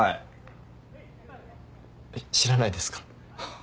えっ知らないですか？